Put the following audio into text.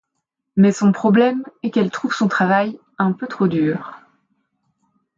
Mais son problème est qu'elle trouve son travail un peu trop dur.